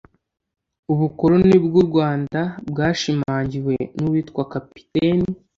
Ubukoloni bw u Rwanda bwashimangiwe n uwitwa Kapiteni